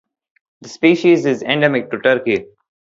The species is endemic to Turkey.